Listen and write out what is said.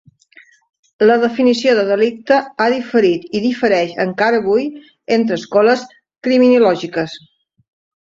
La definició de delicte ha diferit i difereix encara avui entre escoles criminològiques.